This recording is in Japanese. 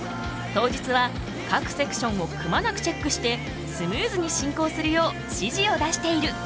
当日は各セクションをくまなくチェックしてスムーズに進行するよう指示を出している。